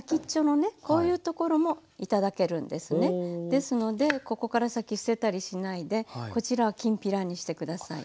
ですのでここから先捨てたりしないでこちらはきんぴらにしてください。